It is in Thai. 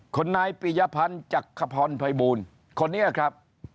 นายปียพันธ์จักรพรภัยบูลคนนี้ครับ